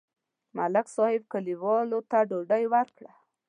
ملک صاحب کلیوالو ته ډوډۍ وکړه.